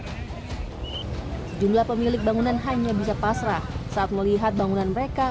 sejumlah pemilik bangunan hanya bisa pasrah saat melihat bangunan mereka